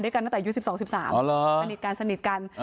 ด้วยกันนักไต้ครั้งอ๋อเหรอสนิทกันสนิทกัน